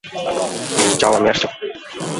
যাও, আমি আসছি।